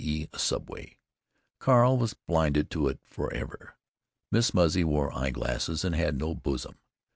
e., a subway), Carl was blinded to it for ever. Miss Muzzy wore eye glasses and had no bosom.